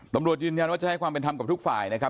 ตำรวจยืนยันว่าจะให้ความเป็นธรรมกับทุกฝ่ายนะครับ